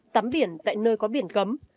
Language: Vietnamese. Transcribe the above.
tắm biển tại nơi có biển cấm